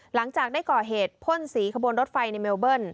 หลังจากได้ก่อเหตุพ่นสีขบวนรถไฟในเมลเบิ้ล